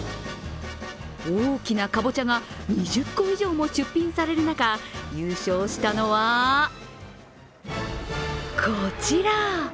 大きなかぼちゃが２０個以上も出品される中、優勝したのはこちら。